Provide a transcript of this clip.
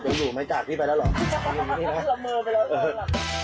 ยังอยู่ไหมลำเมลไปแล้วเอาออกนะเหรอ